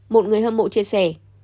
một người hâm mộ chia sẻ